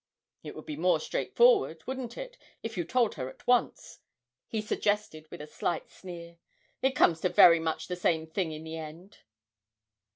'It would be more straightforward, wouldn't it, if you told her at once?' he suggested with a slight sneer: 'it comes to very much the same thing in the end.'